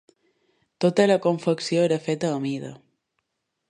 Tota la confecció era feta a mida.